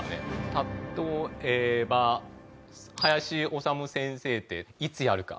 例えば林修先生って「いつやるか？